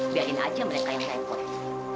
biarin aja mereka yang repot